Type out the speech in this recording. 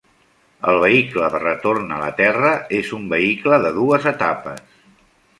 El Vehicle de Retorn a la Terra és un vehicle de dues etapes.